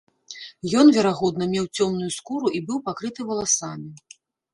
Ён, верагодна, меў цёмную скуру і быў пакрыты валасамі.